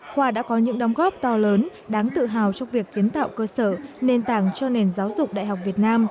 khoa đã có những đóng góp to lớn đáng tự hào trong việc kiến tạo cơ sở nền tảng cho nền giáo dục đại học việt nam